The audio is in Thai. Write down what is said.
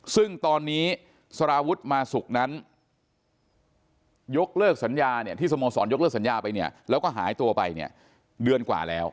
ซึ่งตอนนี้สารวุฒิมาสุกนั้นยกเลิกสัญญาเนี่ยที่สโมสรยกเลิกสัญญาไปเนี่ยแล้วก็หายตัวไปเนี่ยเดือนกว่าแล้ว